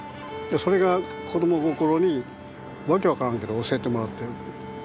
それが子供心に訳分からんけど教えてもらってる。